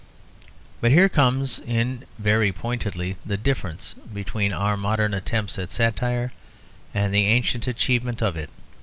But here comes in very pointedly the difference between our modern attempts at satire and the ancient achievement of it.